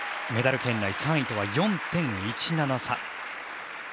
メダル圏内３位とは４．１７差。